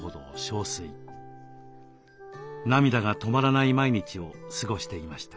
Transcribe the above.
涙が止まらない毎日を過ごしていました。